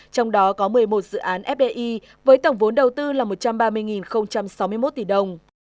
trong đó có một mươi một dự án fdi với tổng vốn đầu tư là một trăm ba mươi sáu mươi một tỷ đồng